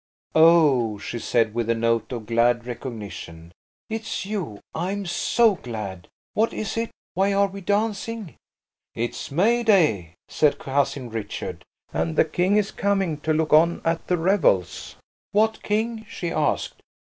"Oh!" she said, with a note of glad recognition. "It's you! I'm so glad! What is it? Why are we dancing?" "It's May day," said Cousin Richard, "and the King is coming to look on at the revels." "What king?" she asked.